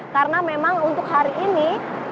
karena memang untuk hari ini